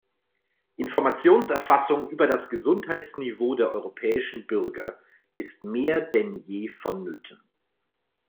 Informationserfassung über das Gesundheitsniveau der europäischen Bürger ist mehr denn je vonnöten.